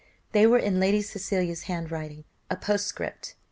They were in Lady Cecilia's handwriting a postscript.